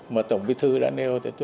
mà tổng bí thư đã nêu